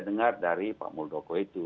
dengar dari pak muldoko itu